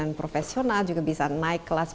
dan profesional juga bisa naik kelas